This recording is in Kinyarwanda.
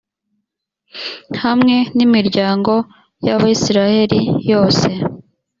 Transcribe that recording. hamwe n’imiryango y’abayisraheli yose.